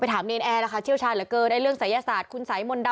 ทั้งหลวงผู้ลิ้น